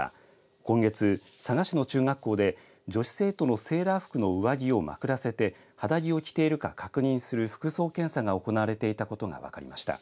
今月、佐賀市の中学校で女子生徒のセーラー服の上着をまくらせて肌着を着ているか確認する服装検査が行われていたことが分かりました。